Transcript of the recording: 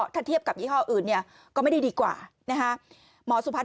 ถ้าเทียบกับยี่ห้ออื่นเนี่ยก็ไม่ได้ดีกว่านะฮะ